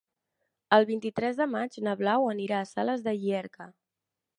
El vint-i-tres de maig na Blau anirà a Sales de Llierca.